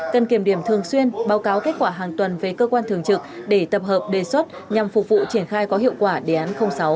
cần kiểm điểm thường xuyên báo cáo kết quả hàng tuần về cơ quan thường trực để tập hợp đề xuất nhằm phục vụ triển khai có hiệu quả đề án sáu